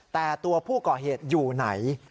แต่ตัวผู้ก่อเหตุอยู่ไหน